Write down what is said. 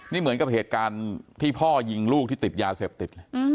นี่เหมือนกับเหตุการณ์ที่พ่อยิงลูกที่ติดยาเสพติด